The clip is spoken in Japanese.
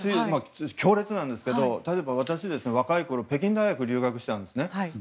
強烈なんですが例えば、私は若いころに北京大学に留学してたんですね。